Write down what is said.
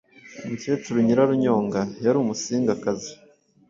Umukecuru Nyirarunyonga yari Umusingakazi,